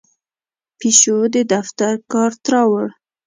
پیشو د دفتر کارت راوړ.